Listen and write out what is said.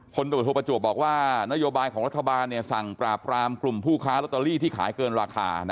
ตรวจโทประจวบบอกว่านโยบายของรัฐบาลสั่งปราบรามกลุ่มผู้ค้าลอตเตอรี่ที่ขายเกินราคา